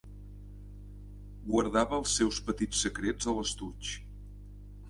Guardava els seus petits secrets a l'estoig.